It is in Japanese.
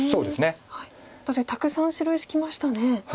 確かにたくさん白石きましたね。